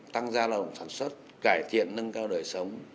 tăng gia lao động sản xuất cải thiện nâng cao đời sống